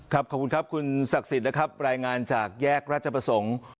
ขอบคุณครับคุณศักดิ์สิทธิ์นะครับรายงานจากแยกราชประสงค์